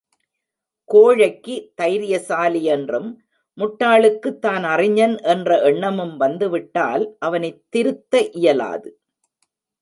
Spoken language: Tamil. கோழைக்கு தைரியசாலி என்றும், முட்டாளுக்குத் தான் அறிஞன் என்ற எண்ணமும் வந்து விட்டால் அவனைத் திருத்த இயலாது.